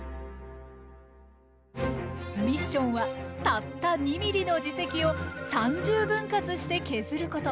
ミッションはたった２ｍｍの耳石を３０分割して削ること。